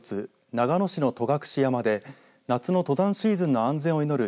長野市の戸隠山で夏の登山シーズンの安全を祈る